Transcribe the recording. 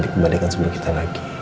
dikembalikan sebelum kita lagi